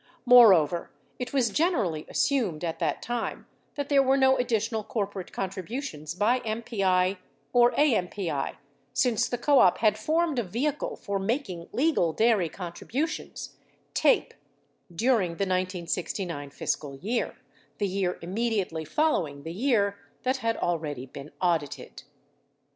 Moreover, it was generally as sumed at that time that there were no additional corporate contribu tions by MPI or AMPI since the co op had formed a vehicle for mak ing legal dairy contributions — TAPE — during the 1969 fiscal year — the year immediately following the year that had already been audited.